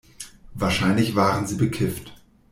Wahrscheinlich waren sie bekifft.